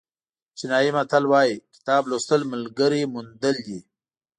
چینایي متل وایي کتاب لوستل ملګري موندل دي.